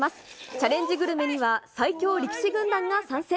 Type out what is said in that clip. チャレンジグルメには、最強力士軍団が参戦。